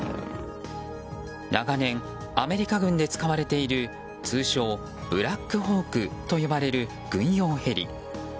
長年アメリカ軍で使われている通称ブラックホークと呼ばれる軍用ヘリ。